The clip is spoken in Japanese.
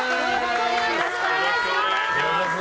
よろしくお願いします。